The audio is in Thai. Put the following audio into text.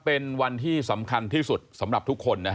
เป็นวันที่สำคัญที่สุดสำหรับทุกคน